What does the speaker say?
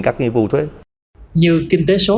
các nhiệm vụ thuế như kinh tế số